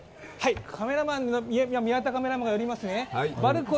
カメラマンが寄りますね。